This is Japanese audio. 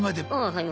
はい。